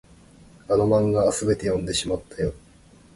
あの漫画、すべて読んでしまったよ。